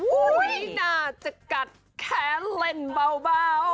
น่าจะกัดแขนเล่นเบา